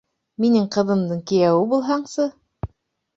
Минең ҡыҙымдың кейәүе булһаңсы?